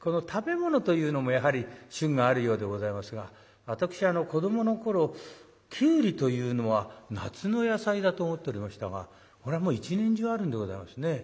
この食べ物というのもやはり旬があるようでございますが私子どもの頃きゅうりというのは夏の野菜だと思っておりましたがこれはもう一年中あるんでございますね。